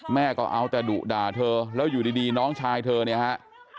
แม่ก็เอาแต่ดุด่าเธอแล้วอยู่ดีน้องชายเธอเนี่ยฮะ